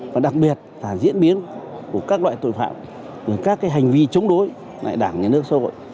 và đặc biệt là diễn biến của các loại tội phạm các hành vi chống đối lại đảng nhà nước xã hội